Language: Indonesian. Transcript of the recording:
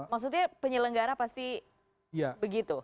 maksudnya penyelenggara pasti begitu